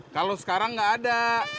kalau sekarang gak ada